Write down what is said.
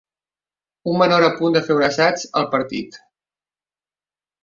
Un menor a punt de fer un assaig al partit